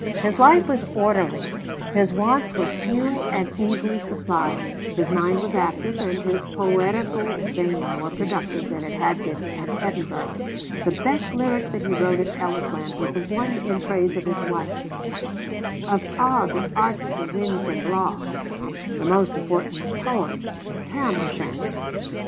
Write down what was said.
His life was orderly; his wants were few and easily supplied; his mind was active, and his poetical vein more productive than it had been at Edinburgh. The best lyric that he wrote at Ellisland was the one in praise of his wife ('Of a' the airts the wind can blaw '); the most important poem 'Tam o' Shanter.'